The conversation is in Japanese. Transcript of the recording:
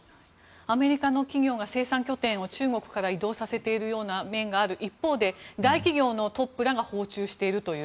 アメリカの企業が生産拠点を中国から移動させているような面がある一方で大企業のトップらが訪中しているという。